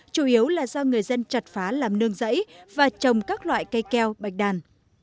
chủ yếu là do người dân chặt phá làm nương rẫy và trồng các loại cây keo bạch đàn